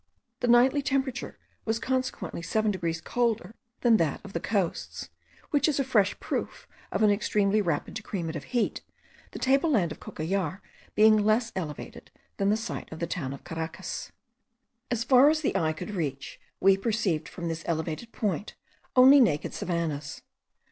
The nightly temperature was consequently seven degrees colder than that of the coasts, which is a fresh proof of an extremely rapid decrement of heat, the table land of Cocollar being less elevated than the site of the town of Caracas. As far as the eye could reach, we perceived, from this elevated point, only naked savannahs.